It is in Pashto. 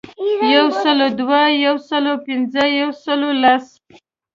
یو سلو دوه، یو سلو پنځه ،یو سلو لس .